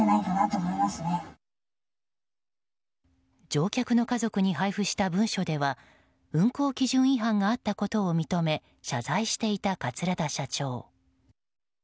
乗客の家族に配布した文書では運航基準違反があったことを認め謝罪していた桂田社長。